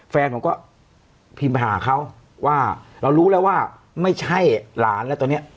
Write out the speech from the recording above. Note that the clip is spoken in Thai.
แฟนผมก็พิมพ์ไปหาเขาว่าเรารู้แล้วว่าไม่ใช่หลานแล้วตอนนี้